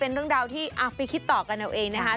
เป็นเรื่องราวที่ไปคิดต่อกันเอาเองนะคะ